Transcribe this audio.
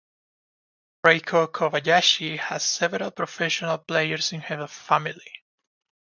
Reiko Kobayashi has several professional players in her family.